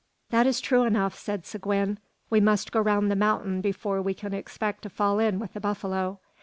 "That is true enough," said Seguin. "We must go round the mountain before we can expect to fall in with the buffalo.